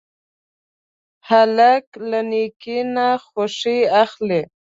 هلک له نیکۍ نه خوښي اخلي.